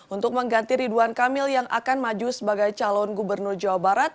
untuk mengganti ridwan kamil yang akan maju sebagai calon gubernur jawa barat